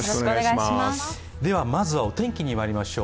まずはお天気にまいりましょう。